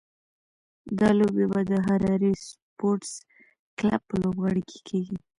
دا لوبې به د هراري سپورټس کلب په لوبغالي کې کېږي.